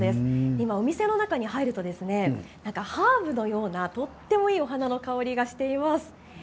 今、お店の中に入るとハーブのようなとてもいいお花の香りがしています。